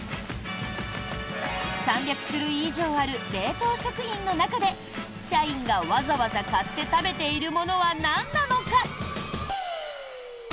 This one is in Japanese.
３００種類以上ある冷凍食品の中で社員がわざわざ買って食べているものはなんなのか。